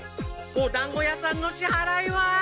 おだんご屋さんのしはらいは？